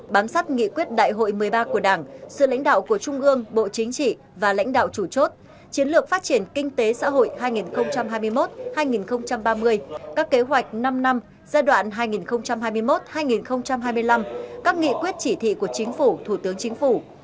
bộ chính trị và lãnh đạo chủ chốt chiến lược phát triển kinh tế xã hội hai nghìn hai mươi một hai nghìn ba mươi các kế hoạch năm năm giai đoạn hai nghìn hai mươi một hai nghìn hai mươi năm các nghị quyết chỉ thị của chính phủ thủ tướng chính phủ